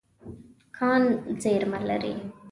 کان زیرمه لري.